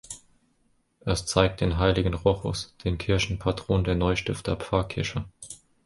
Es zeigt den Heiligen Rochus, den Kirchenpatron der Neustifter Pfarrkirche.